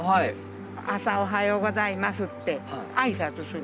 朝「おはようございます」って挨拶する。